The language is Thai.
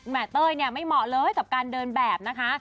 เต้ยเนี่ยไม่เหมาะเลยกับการเดินแบบนะคะ